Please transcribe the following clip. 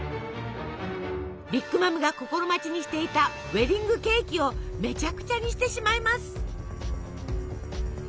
ビッグ・マムが心待ちにしていたウエディングケーキをめちゃくちゃにしてしまいます。